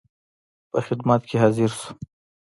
په خدمت کې حاضر شو.